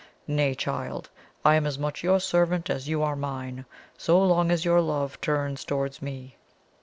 Nay, child, I am as much your servant as you are mine, so long as your love turns towards me."